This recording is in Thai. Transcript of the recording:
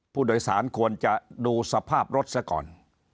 ผู้โดยสารควรจะดูสภาพรถซะก่อน